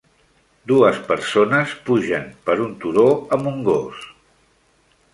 Dues persones pugen per un turó amb un gos.